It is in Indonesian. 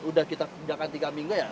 udah kita kerjakan tiga minggu ya